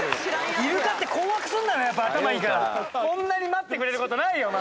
イルカって困惑するんだね、やっぱ頭いいから、こんなに待ってくれることないよ。